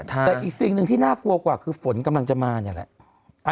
แต่อีกสิ่งหนึ่งที่น่ากลัวกว่าคือฝนกำลังจะมาเนี่ยแหละ